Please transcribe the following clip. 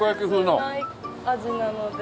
普通ない味なので。